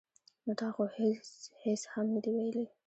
ـ نو تا خو هېڅ هم نه دي ویلي.